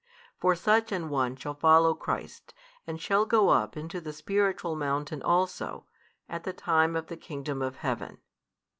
For such an one shall follow Christ, and shall go up into the spiritual mountain also, at the time of the Kingdom of Heaven.